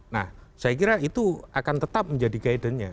nah saya kira itu akan tetap menjadi guidance nya